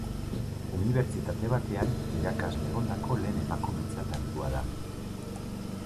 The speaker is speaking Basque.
Unibertsitate batean irakasle egondako lehen emakumetzat hartua da.